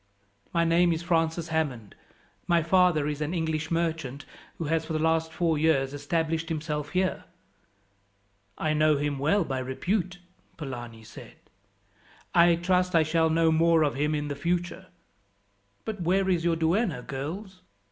"My name is Francis Hammond. My father is an English merchant who has, for the last four years, established himself here." "I know him well by repute," Polani said. "I trust I shall know more of him in the future. "But where is your duenna, girls?"